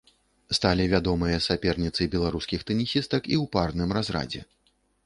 Сталі вядомыя саперніцы беларускіх тэнісістак і ў парным разрадзе.